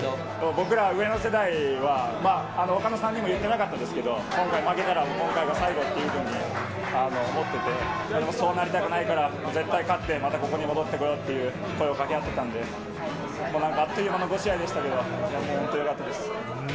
僕ら上の世代は、ほかの３人は言ってなかったですけど、今回負けたら、今回が最後というふうに思ってて、そうなりたくないから、絶対勝って、またここに戻ってこようって、声をかけ合ってたんで、なんかあっという間の５試合でしたけど、いや、もう、本当よかったです。